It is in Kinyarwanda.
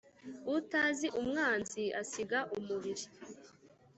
Utazi umwanzi asiga umubiri.